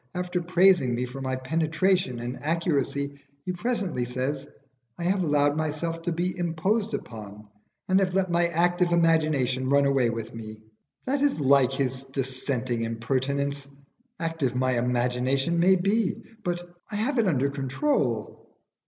After praising me for my penetration and accuracy, he presently says I have allowed myself to be imposed upon and have let my active imagination run away with me. That is like his dissenting impertinence. Active my imagination may be, but I have it under control.